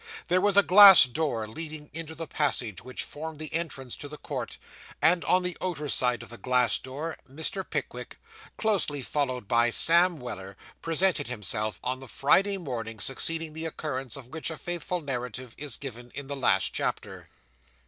There was a glass door leading into the passage which formed the entrance to the court, and on the outer side of this glass door, Mr. Pickwick, closely followed by Sam Weller, presented himself on the Friday morning succeeding the occurrence of which a faithful narration is given in the last chapter.